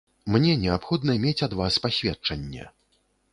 Мне неабходна мець ад вас пасведчанне.